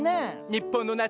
日本の夏！